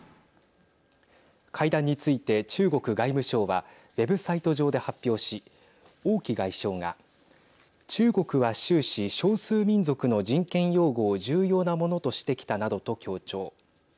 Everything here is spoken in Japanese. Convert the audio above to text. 会談について中国外務省はウェブサイト上で発表し王毅外相が中国は終始、少数民族の人権擁護を重要なものとしてきたなどと強調。